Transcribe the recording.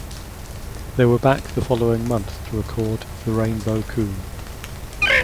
They were back the following month to record "The Rainbow Coon".